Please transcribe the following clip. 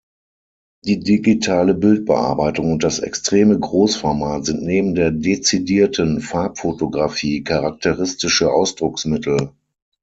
Die digitale Bildbearbeitung und das extreme Großformat sind neben der dezidierten Farbfotografie charakteristische Ausdrucksmittel.